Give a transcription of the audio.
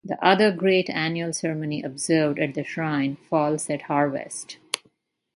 The other great annual ceremony observed at the shrine falls at harvest.